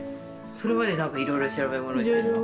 それまで何かいろいろ調べ物してるの？